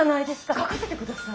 描かせてください。